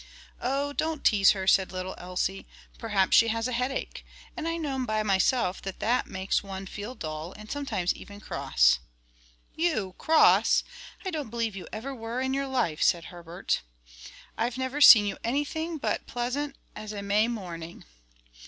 "Oh don't tease her," said little Elsie. "Perhaps she has a headache, and I know by myself that that makes one feel dull, and sometimes even cross." "You cross! I don't believe you ever were in your life," said Herbert. "I've never seen you any thing but pleasant as a May morning."